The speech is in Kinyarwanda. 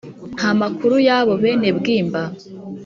Nta makuru y'abo Benebwimba?